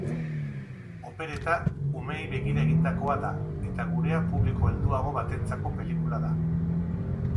Opereta umeei begira egindakoa da, eta gurea publiko helduago batentzako pelikula da.